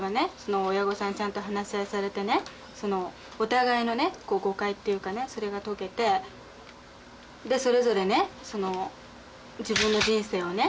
親御さんにちゃんと話し合いされてねそのお互いのね誤解っていうかねそれが解けてでそれぞれねその自分の人生をね